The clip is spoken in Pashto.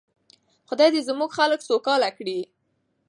خدای دې زموږ خلک سوکاله کړي.